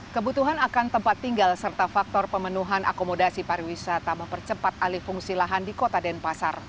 kebutuhan akan tempat tinggal serta faktor pemenuhan akomodasi pariwisata mempercepat alih fungsi lahan di kota denpasar